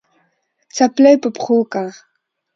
څپلۍ په پښو که